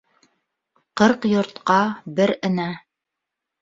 Ҡырҡ йортҡа бер энә.